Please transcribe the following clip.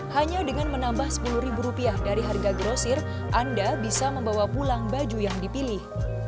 hanya dengan menambah sepuluh rupiah dari harga grosir anda bisa membawa pulang baju yang dipilih